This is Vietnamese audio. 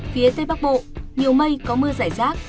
phía tây bắc bộ nhiều mây có mưa giải rác